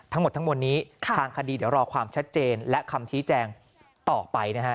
ทั้งหมดทั้งมวลนี้ทางคดีเดี๋ยวรอความชัดเจนและคำชี้แจงต่อไปนะฮะ